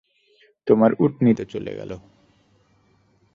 তোমার উটনী তো চলে গেল।